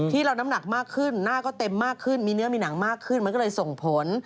น้ำหนักมากขึ้นหน้าก็เต็มมากขึ้นมีเนื้อมีหนังมากขึ้นมันก็เลยส่งผล